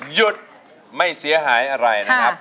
หยุดไม่เสียหายอะไรนะครับ